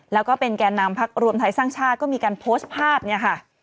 แล้วก็เป็นแก่นำพักรวมไทยสร้างชาติก็มีการโพสต์ภาพเนี่ยค่ะ